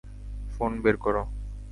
Phone বের কর।